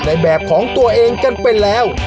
ในแบบของตัวเองกันไปแล้ว